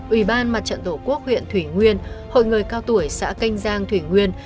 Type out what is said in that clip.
ủy ban mặt trận tổ quốc huyện thủy nguyên hội người cao tuổi xã canh giang thủy nguyên